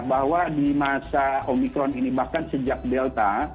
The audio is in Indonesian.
bahwa di masa omikron ini bahkan sejak delta